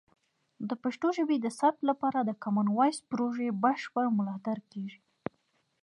د پښتو ژبې د ثبت لپاره د کامن وایس پروژې بشپړ ملاتړ کیږي.